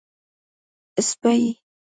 🐕 سپۍ